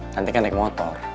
nanti kan naik motor